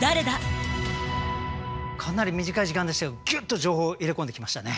かなり短い時間でしたけどギュッと情報入れ込んできましたね。